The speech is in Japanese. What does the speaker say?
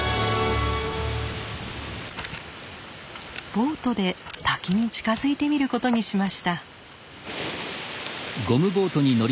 ボートで滝に近づいてみることにしました。